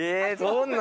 どんな？